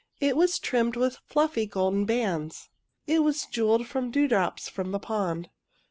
It was trimmed with fluffy golden bands. It was jewelled with dewdrops from the pond.